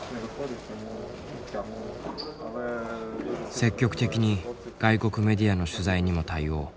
積極的に外国メディアの取材にも対応。